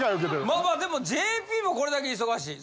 まあまあでもＪＰもこれだけ忙しい。